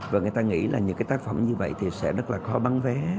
và người ta nghĩ là những cái tác phẩm như vậy thì sẽ rất là khó bán vé